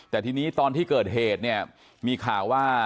แต่ทีนี้ตอนที่เกิดเหตุเนี่ยมีข่าวว่า